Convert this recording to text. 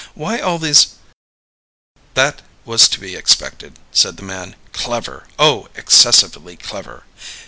Why all these " "That was to be expected," said the man. "Clever! Oh, excessively clever!"